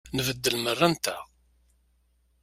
Nbeddel merra-nteɣ.